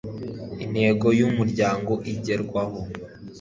Intego y uwo Muryango igerwaho